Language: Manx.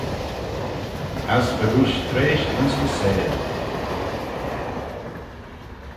As fegooish triesht ayns yn seihll.